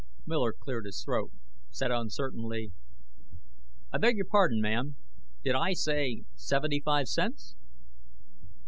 Miller cleared his throat, said uncertainly: "I beg your pardon, ma'am did I say seventy five cents?"